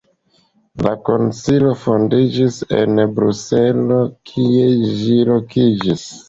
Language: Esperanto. La Konsilio fondiĝis en Bruselo, kie ĝi lokiĝis.